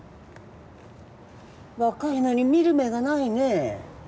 若いのに見る目がないねえ。